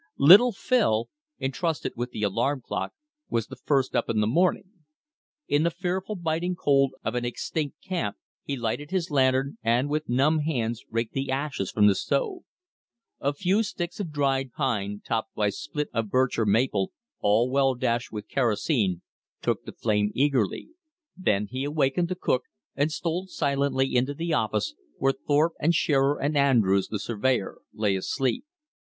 Little Phil, entrusted with the alarm clock, was the first up in the morning In the fearful biting cold of an extinct camp, he lighted his lantern and with numb hands raked the ashes from the stove. A few sticks of dried pine topped by split wood of birch or maple, all well dashed with kerosene, took the flame eagerly. Then he awakened the cook, and stole silently into the office, where Thorpe and Shearer and Andrews, the surveyor, lay asleep.